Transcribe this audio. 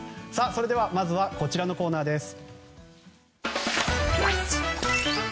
それではまずは、こちらのコーナーです。